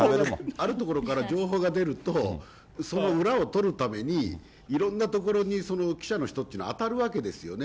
あるところから情報が出ると、その裏を取るために、いろんなところにその記者の人というのは当たるわけですよね。